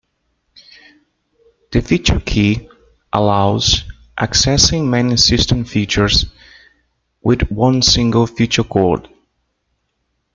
The Feature key allows accessing many system features with one single Feature Code.